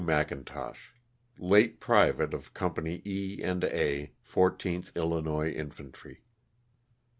Mcintosh. (Late private of Company E and A, J4tli Illinois Infantry.)